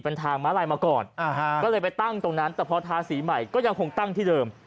เป็นทางม้าลายมาก่อนก็เลยไปตั้งตรงนั้นแต่พอทาสีใหม่ก็ยังคงตั้งที่เดิม